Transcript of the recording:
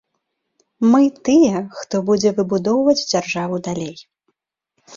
Мы тыя, хто будзе выбудоўваць дзяржаву далей.